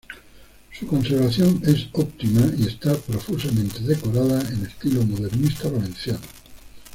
Su conservación es óptima y está profusamente decorada en estilo modernista valenciano.